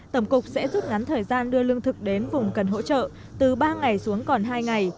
tổng cục sẽ rút ngắn thời gian đưa lương thực đến vùng cần hỗ trợ từ ba ngày xuống còn hai ngày